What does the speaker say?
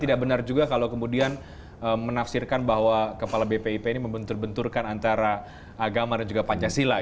tidak benar juga kalau kemudian menafsirkan bahwa kepala bpip ini membentur benturkan antara agama dan juga pancasila